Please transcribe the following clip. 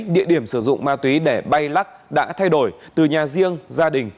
địa điểm sử dụng ma túy để bay lắc đã thay đổi từ nhà riêng gia đình